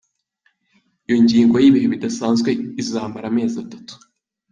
Iyo ngingo y'ibihe bidasanzwe izomara amezi atatu.